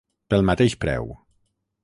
Pel mateix preu.